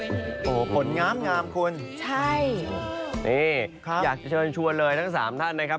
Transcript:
โอ้โหผลงามคุณใช่นี่อยากจะเชิญชวนเลยทั้งสามท่านนะครับ